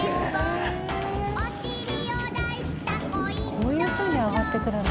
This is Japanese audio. こういうふうに揚がってくるんだ。